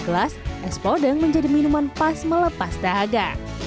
gelas es podeng menjadi minuman pas melepas dahaga